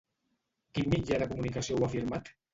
Quin mitjà de comunicació ho ha afirmat?